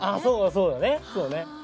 そうだね。